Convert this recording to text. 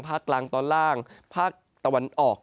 ภาคกลางตอนล่างภาคตะวันออก